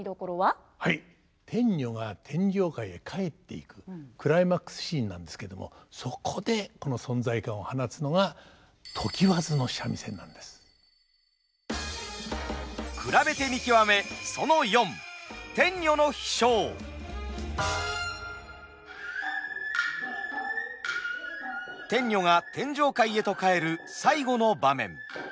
はい天女が天上界へ帰っていくクライマックスシーンなんですけどもそこで存在感を放つのが天女が天上界へと帰る最後の場面。